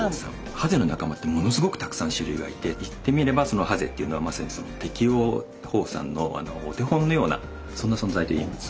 ハゼの仲間ってものすごくたくさん種類がいて言ってみればハゼっていうのはまさにその適応放散のお手本のようなそんな存在といえます。